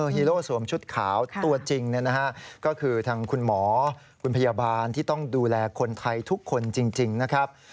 ฮีโร่สวมชุดขาวตัวจริงก็คือทางคุณหมอคุณพยาบาลที่ต้องดูแลคนไทยทุกคนจริงนะครับ